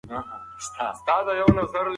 څوګ باید په ښکاره خبرې وکړي.